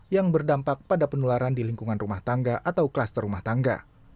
yang berdampak pada penularan di lingkungan rumah tangga atau kluster rumah tangga